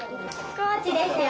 高知ですよ！